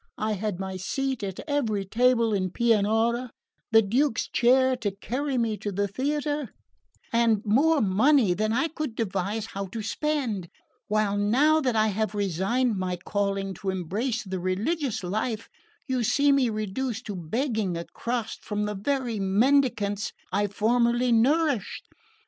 I had my seat at every table in Pianura; the Duke's chair to carry me to the theatre; and more money than I could devise how to spend; while now that I have resigned my calling to embrace the religious life, you see me reduced to begging a crust from the very mendicants I formerly nourished.